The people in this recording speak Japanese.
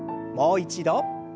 もう一度。